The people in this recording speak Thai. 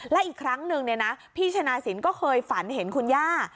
และอีกครั้งหนึ่งพี่ชนะสินก็เคยฝันเห็นคุณย่า